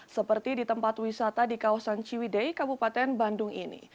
seperti di tempat wisata di kawasan ciwidei kabupaten bandung ini